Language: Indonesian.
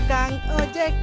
hei tukang ojek